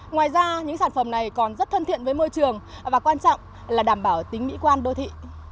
ngoài ra những sản phẩm này còn rất thân thiện với môi trường và quan trọng là đảm bảo tính mỹ quan đô thị